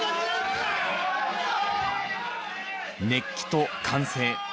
熱気と歓声。